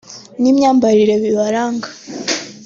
n’imyambarire bibaranga